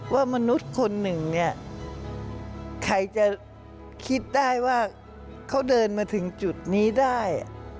ว่ามนุษย์คนหนึ่งเนี่ยใครจะคิดได้ว่าเขาเดินมาถึงจุดนี้ได้